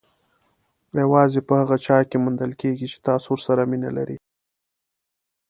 یوازې په هغه چا کې موندل کېږي چې تاسو ورسره مینه لرئ.